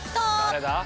誰だ？